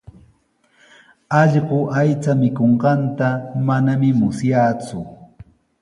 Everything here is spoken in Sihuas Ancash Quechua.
Allqu aycha mikunqanta manami musyaaku.